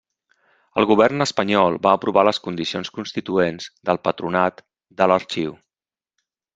El govern espanyol va aprovar les condicions constituents del patronat de l'arxiu.